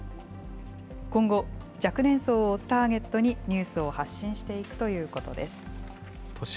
今後、若年層をターゲットにニュースを発信していくということです。